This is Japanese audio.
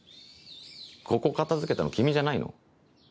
ここ片付けたの君じゃないの？